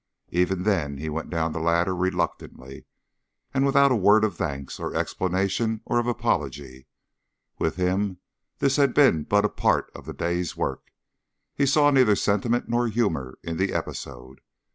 Even then he went down the ladder reluctantly, and without a word of thanks, of explanation, or of apology. With him this had been but a part of the day's work. He saw neither sentiment nor humor in the episode.